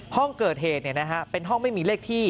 ห้องเกิดเหตุเป็นห้องไม่มีเลขที่